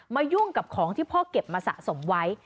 ยุ่งกับของที่พ่อเก็บมาสะสมไว้